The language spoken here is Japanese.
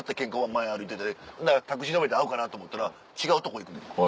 前歩いててタクシーどめで会うかな思ったら違うとこ行くねん。